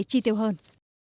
chi tiêu hơn